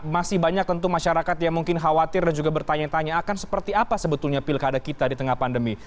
masih banyak tentu masyarakat yang mungkin khawatir dan juga bertanya tanya akan seperti apa sebetulnya pilkada kita di tengah pandemi